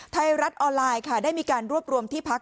ไทยรัฐออนไลน์ค่ะได้มีการรวบรวมที่พัก